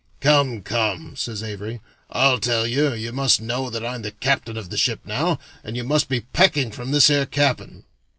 "Come, come!" says Avary: "I'll tell you; you must know that I'm the captain of the ship now, and you must be packing from this here cabin.